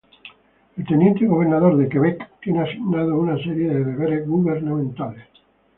El Teniente Gobernador de Quebec tiene asignados una serie de deberes gubernamentales.